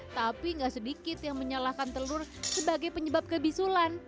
tapi nggak sedikit yang menyalahkan telur sebagai penyebab kebisulan